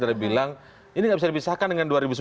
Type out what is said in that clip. saya bilang ini gak bisa dibisarkan dengan dua ribu sembilan belas